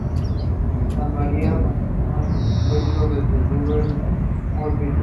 Santa María, continuando en su puesto desde Lever Murphy.